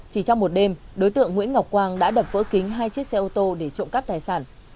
chỉ trong một đêm đối tượng nguyễn ngọc quang đã đập vỡ kính hai chiếc xe ô tô để trộm cắp tài sản